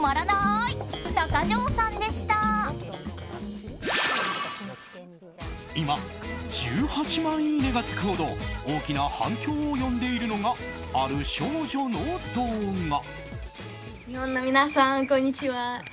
いいねがつくほど大きな反響を呼んでいるのがある少女の動画。